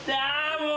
もう！